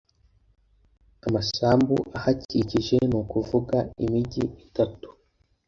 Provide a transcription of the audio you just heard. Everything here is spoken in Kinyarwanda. amasambu ahakikije ni ukuvuga imigi itatu